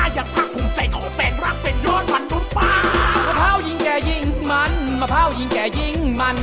ยิ่งแก่ยิ่งมันมะพร้าวยิ่งแก่ยิ่งมัน